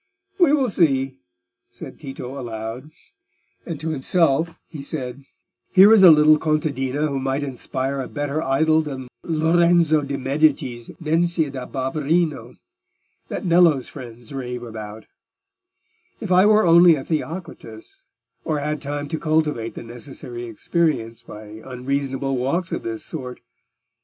"We will see," said Tito aloud; and to himself he said, "Here is a little contadina who might inspire a better idyl than Lorenzo de' Medici's 'Nencia da Barberino,' that Nello's friends rave about; if I were only a Theocritus, or had time to cultivate the necessary experience by unseasonable walks of this sort!